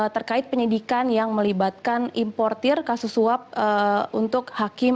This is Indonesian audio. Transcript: terkait penyidikan yang melibatkan importir kasus suap untuk hakim